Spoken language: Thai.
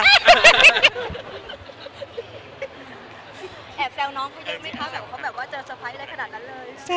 เนื้อหาดีกว่าน่ะเนื้อหาดีกว่าน่ะ